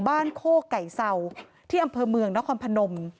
โคกไก่เศร้าที่อำเภอเมืองนครพนม